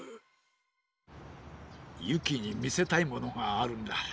ゆきにみせたいものがあるんだ。